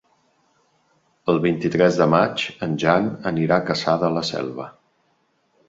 El vint-i-tres de maig en Jan anirà a Cassà de la Selva.